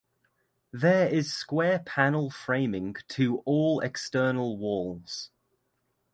There is square panel framing to all external walls.